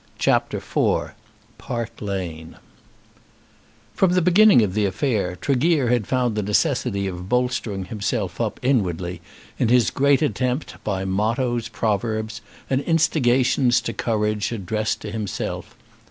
CHAPTER IV Park Lane From the beginning of the affair Tregear had found the necessity of bolstering himself up inwardly in his great attempt by mottoes, proverbs, and instigations to courage addressed to himself.